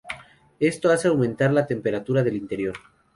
Esto hace aumentar la temperatura del interior.